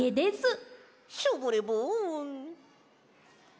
ショボレボン！